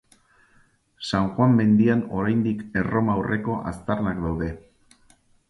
San Juan mendian oraindik Erroma aurreko aztarnak daude.